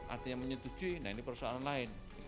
artinya menyetujui nah ini persoalan lain